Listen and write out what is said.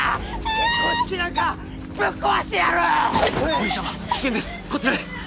お姫様危険ですこちらへ！